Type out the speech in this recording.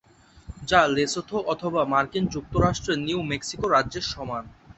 যা লেসোথো অথবা মার্কিন যুক্তরাষ্ট্রের নিউ মেক্সিকো রাজ্যর সমান।